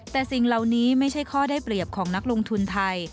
แต่สิ่งเหล่านี้ไม่ใช่ข้อได้เปรียบของนักลงทุนไทย